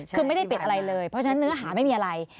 คือไม่ได้ปิดอะไรเลยเพราะฉะนั้นเนื้อหาไม่มีอะไร